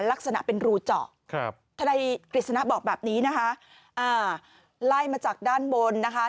ลักษณะเป็นรูเจาะครับทนายกฤษณะบอกแบบนี้นะคะอ่าไล่มาจากด้านบนนะคะ